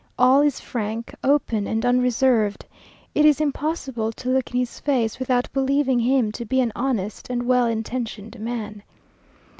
All is frank, open, and unreserved. It is impossible to look in his face without believing him to be an honest and well intentioned man.